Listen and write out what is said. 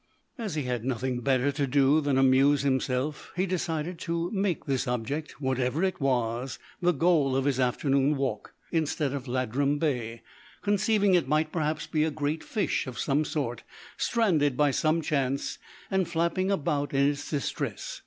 As he had nothing better to do than amuse himself, he decided to make this object, whatever it was, the goal of his afternoon walk, instead of Ladram Bay, conceiving it might perhaps be a great fish of some sort, stranded by some chance, and flapping about in its distress.